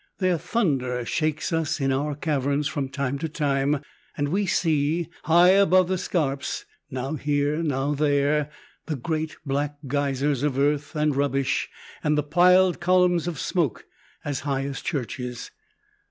Their thunder shakes us in our caverns from time to time, and we see, high above the scarps, now here now there, the great black geysers of earth and rubbish, and the piled columns of smoke, as high as churches.